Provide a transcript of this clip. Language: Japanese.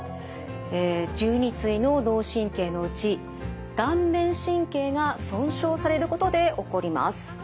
１２対の脳神経のうち顔面神経が損傷されることで起こります。